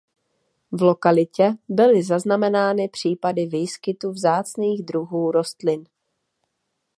V lokalitě byly zaznamenány případy výskytu vzácných druhů rostlin.